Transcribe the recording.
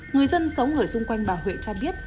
người dân sống ở xung quanh bà huệ cho biết